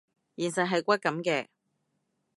現實係骨感嘅